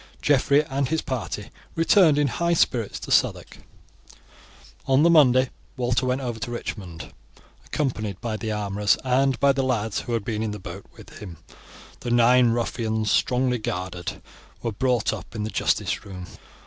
Geoffrey and his party returned in high spirits to Southwark. On the Monday Walter went over to Richmond, accompanied by the armourers and by the lads who had been in the boat with him. The nine ruffians, strongly guarded, were brought up in the justice room.